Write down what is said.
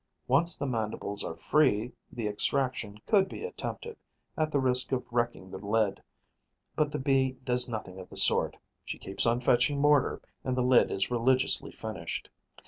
Once the mandibles are free, the extraction could be attempted, at the risk of wrecking the lid. But the Bee does nothing of the sort: she keeps on fetching mortar; and the lid is religiously finished.